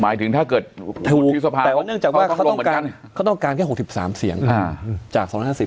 หมายถึงถ้าเกิดหุ้นที่สภาต้องการ๖๓เสียงครับจาก๒๕๐